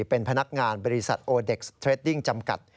เป็นพนักงานบริษัทโอเด็กสเทรดดิ้งจำกัด